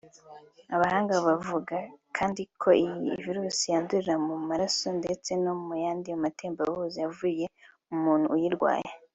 Abahanga bavuga kandi ko iyi virus yandurira mu maraso ndetse no mu yandi matembabuzi avuye mu muntu uyirwaye